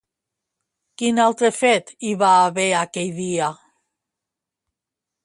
Quin altre fet hi va haver aquell dia?